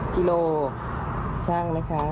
๐กิโลชั่งนะคะ